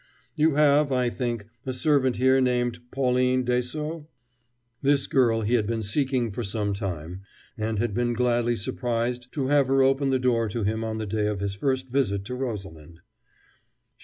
You have, I think, a servant here named Pauline Dessaulx?" This girl he had been seeking for some time, and had been gladly surprised to have her open the door to him on the day of his first visit to Rosalind.